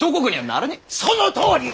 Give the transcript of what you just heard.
そのとおり！